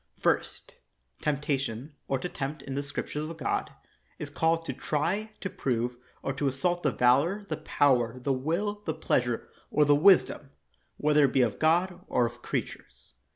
First. Temptation, or to tempt, in the Scrip tures of God, is called to try, to prove, or to assault the valor, the power, the will, the pleas ure, or the wisdom— whether it be of God or of creatures.